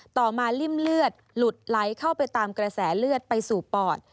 ต่อมาริ่มเลือดหลุดไหลเข้าไปตามกระแสเลือดไปสู่ปอด